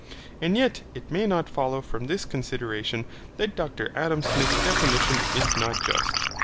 And yet it may not follow from this consideration that Dr Adam Smith's definition is not just.